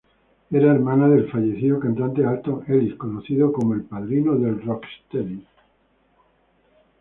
Era hermana del fallecido cantante Alton Ellis, conocido como "el padrino del rocksteady".